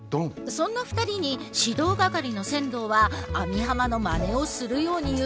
そんな２人に指導係の千堂は網浜のまねをするように言う。